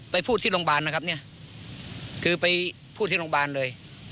พูดที่โรงพยาบาลนะครับเนี่ยคือไปพูดที่โรงพยาบาลเลย